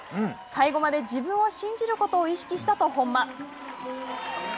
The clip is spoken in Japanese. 最後まで自分を信じることを意識したと本間。